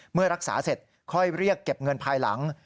เมื่อรักษาเสร็จค่อยเรียกเก็บเงินภายหลัง